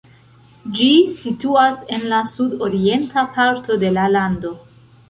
Ĝi situas en la sudorienta parto de la lando.